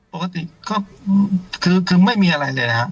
ปกติก็คือไม่มีอะไรเลยนะครับ